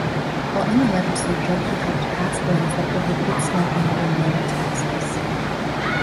While in the legislature he helped pass bills that prohibited smoking and lower taxes.